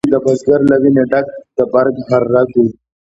د بزګر له ویني ډک د برګ هر رګ و